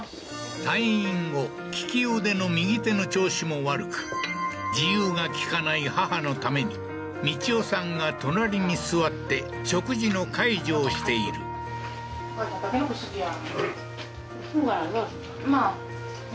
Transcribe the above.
退院後利き腕の右手の調子も悪く自由が利かない母のために充代さんが隣に座って食事の介助をしているなあはい筍